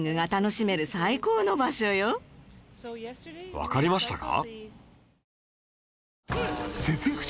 わかりましたか？